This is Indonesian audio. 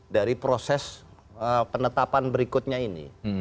dari proses penetapan berikutnya ini